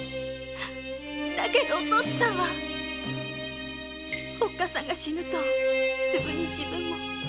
だけどお父っつぁんはおっかさんが死ぬとすぐに自分も。